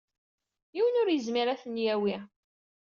Yiwen ur yezmir ad ten-yawi.